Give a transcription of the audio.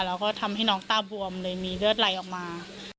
แล้วก็ทำให้น้องตาบวมเลยมีเลือดไหลออกมา